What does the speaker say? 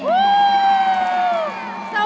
สวัสดีค่ะ